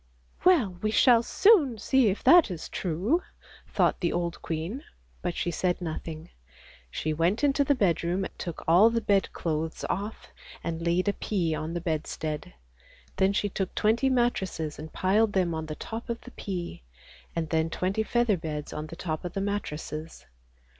" Well we shall soon see if that is true," thought the old queen, but she said nothing. She went into the bedroom, took all the bedclothes off and laid a pea on the bedstead: then she took twenty mattresses and piled them on the top of the pea, and then twenty feather beds on the top of the mattresses.